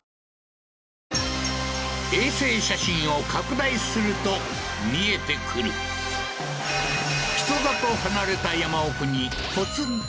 衛星写真を拡大すると見えてくる人里離れた